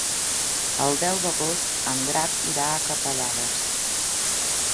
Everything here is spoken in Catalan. El deu d'agost en Drac irà a Capellades.